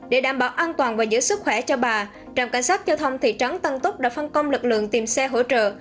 để đảm bảo an toàn và giữ sức khỏe cho bà trạm cảnh sát giao thông thị trấn tân túc đã phân công lực lượng tìm xe hỗ trợ